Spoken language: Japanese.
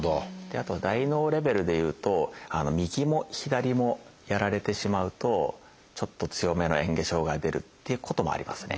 あとは大脳レベルでいうと右も左もやられてしまうとちょっと強めのえん下障害が出るっていうこともありますね。